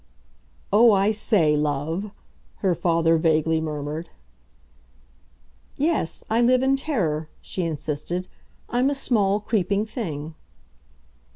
"Oh I say, love!" her father vaguely murmured. "Yes, I live in terror," she insisted. "I'm a small creeping thing."